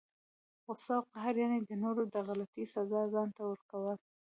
غصه او قهر، یعني د نورو د غلطۍ سزا ځانته ورکول!